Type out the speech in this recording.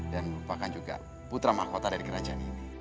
dan merupakan juga putra mahkota dari kerajaan ini